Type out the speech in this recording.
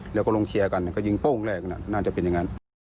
แล้วก็ลงเคลียร์กันก็ยิงโป้งแรกน่าจะเป็นอย่างนั้น